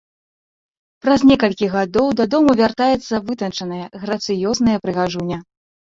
Праз некалькі гадоў дадому вяртаецца вытанчаная, грацыёзная прыгажуня.